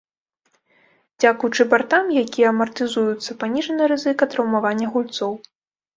Дзякуючы бартам, якія амартызуюцца, паніжана рызыка траўмавання гульцоў.